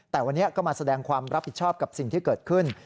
แต่วันนี้ก็มาแสดงความรับผิดชอบกับสิ่งที่เกิดขึ้น